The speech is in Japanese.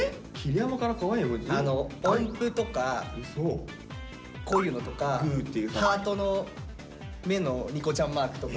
音符とかこういうのとかハートの目のニコちゃんマークとか。